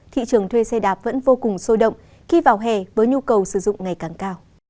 thị trường thuê xe đạp vẫn vô cùng sôi động khi vào hè với nhu cầu sử dụng ngày càng cao